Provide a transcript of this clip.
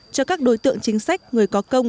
cho các đối tượng chính sách người có công